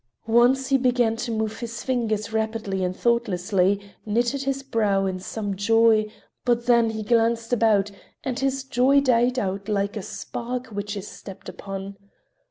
Once he began to move his fingers rapidly and thoughtlessly, knitted his brow in some joy, but then he glanced about and his joy died out like a spark which is stepped upon.